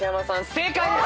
正解です！